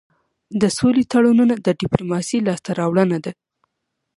د سولې تړونونه د ډيپلوماسی لاسته راوړنه ده.